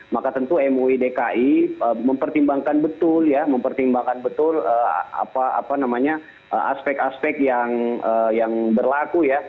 maka tentu muidki mempertimbangkan betul ya mempertimbangkan betul apa namanya aspek aspek yang berlaku